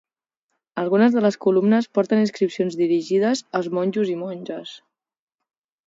Algunes de les columnes porten inscripcions dirigides als monjos i monges.